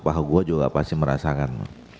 pak ho juga pasti merasakan